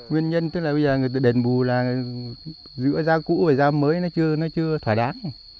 nguyên nhân tức là bây giờ đền bù giữa gia cũ và gia mới nó chưa thỏa đáng